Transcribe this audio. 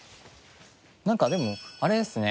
なんかでもあれですね。